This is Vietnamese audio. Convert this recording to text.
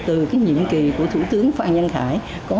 từ nhiệm kỳ của thủ tướng phan văn khải